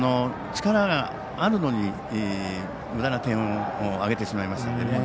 力があるのにむだな点をあげてしまいました。